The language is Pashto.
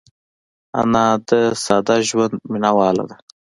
انا د ساده ژوند مینهواله ده